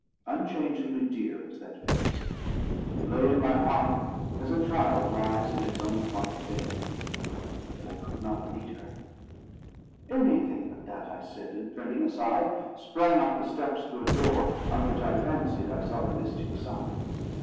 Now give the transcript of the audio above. Unchangeably dear was that face. It lay in my heart as a child lies in its own white bed; but I could not meet her. "Anything but that," I said, and, turning aside, sprang up the steps to a door, on which I fancied I saw the mystic sign.